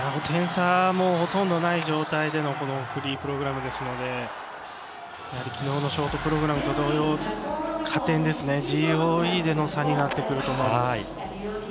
点差もほとんどない状態でのフリープログラムですのでやはり、きのうのショートプログラムと同様加点ですね、ＧＯＥでの差になってくると思います。